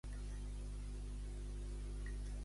I el Serra n'és membre?